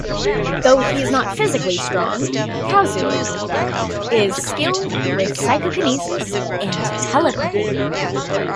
Though he is not physically strong, Chaozu is skilled with psychokinesis and telepathy.